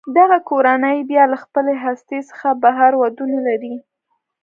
دغه کورنۍ بیا له خپلې هستې څخه بهر ودونه لري.